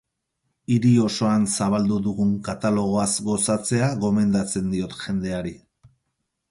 Hiri osoan zabaldu dugun katalogoaz gozatzea gomendatzen diot jendeari.